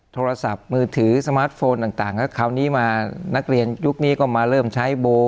โทรศัพท์มือถือสมาร์ทโฟนต่างแล้วคราวนี้มานักเรียนยุคนี้ก็มาเริ่มใช้โบ